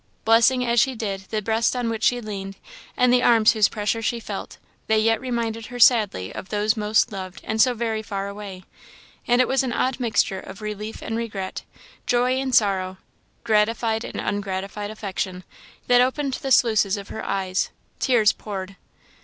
Blessing, as she did, the breast on which she leaned, and the arms whose pressure she felt, they yet reminded her sadly of those most loved and so very far away; and it was an odd mixture of relief and regret, joy and sorrow, gratified and ungratified affection, that opened the sluices of her eyes. Tears poured.